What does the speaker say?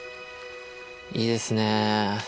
いいですね。